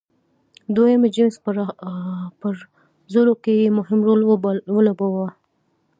دویم جېمز په راپرځولو کې یې مهم رول ولوباوه.